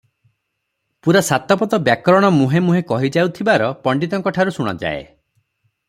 ପୂରା ସାତପାଦ ବ୍ୟାକରଣ ମୁହେଁ ମୁହେଁ କହିଯାଉଥିବାର ପଣ୍ତିତଙ୍କ ଠାରୁ ଶୁଣାଯାଏ ।